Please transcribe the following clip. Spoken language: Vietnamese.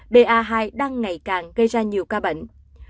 ba hai đang ngày càng gây ra nhiều ca bệnh